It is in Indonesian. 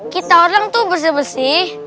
kita orang tuh bersih bersih